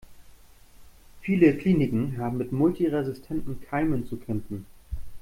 Viele Kliniken haben mit multiresistenten Keimen zu kämpfen.